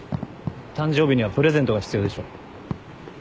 誕生日にはプレゼントが必要でしょ。